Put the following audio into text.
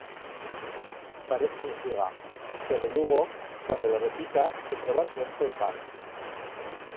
Parez que ne siga pero lugo, cuando lo repicas, te trobas buen polpar.